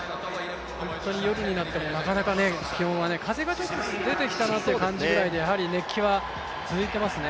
ホントに夜になってもなかなかね、風が出てきたなと感じるぐらいで、やはり熱気は続いていますね。